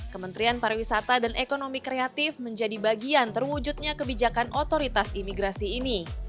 kementerian pariwisata dan ekonomi kreatif menjadi bagian terwujudnya kebijakan otoritas imigrasi ini